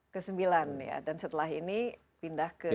ke sembilan ya dan setelah ini pindah ke